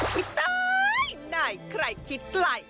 พี่ตายไหนใครคิดไกล